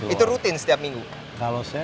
itu rutin setiap minggu